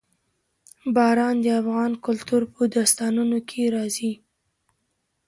باران د افغان کلتور په داستانونو کې راځي.